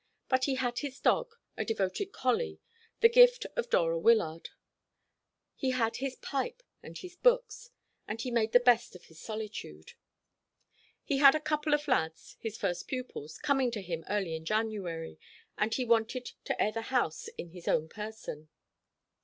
But he had his dog, a devoted collie, the gift of Dora Wyllard; he had his pipe and his books; and he made the best of his solitude. He had a couple of lads his first pupils coming to him early in January, and he wanted to air the house in his own person.